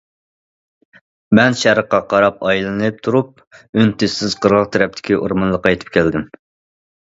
مەن شەرققە قاراپ ئايلىنىپ تۇرۇپ ئۈن- تىنسىز قىرغاق تەرەپتىكى ئورمانلىققا يېتىپ كەلدىم.